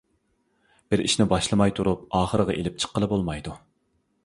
بىر ئىشنى باشلىماي تۇرۇپ ئاخىرىغا ئىلىپ چىققىلى بولمايدۇ.